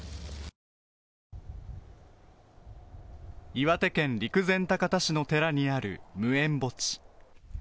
岩手県陸前高田市の寺にある無縁墓地。